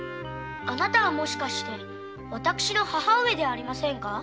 あなたはもしかして私の母上ではありませんか？